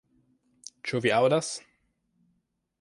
Ĉu vi aŭdas?